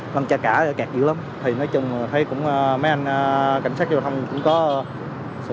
nằm chạy cả là kẹt dữ lắm thì nói chung thấy cũng mấy anh cảnh sát giao thông cũng có xử